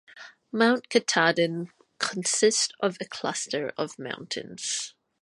Mount Katahdin consists of a cluster of mountains.